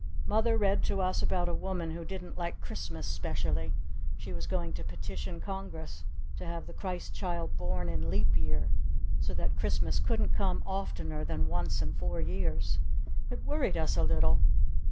Mother read to us about a woman who didn't like Christmas specially. She was going to petition Congress to have the Christ Child born in leap year so that Christmas couldn't come oftener than once in four years. It worried us a little.